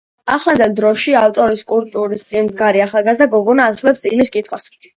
ახლანდელ დროში, ავტორის სკულპტურის წინ მდგარი ახლაგაზრდა გოგონა ასრულებს წიგნის კითხვას.